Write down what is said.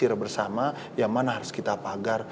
kisir bersama ya mana harus kita pagar